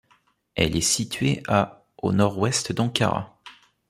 Elle est située à au nord-ouest d'Ankara.